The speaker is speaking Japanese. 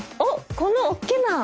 このおっきな山。